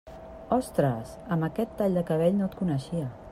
Ostres, amb aquest tall de cabell no et coneixia.